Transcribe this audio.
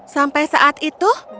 sampai saat itu